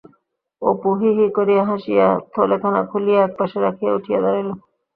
অপু হি-হি করিয়া হাসিয়া থলেখানা খুলিয়া এক পাশে রাখিয়া উঠিয়া দাঁড়াইল।